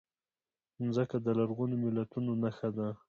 مځکه د لرغونو ملتونو نښه ده.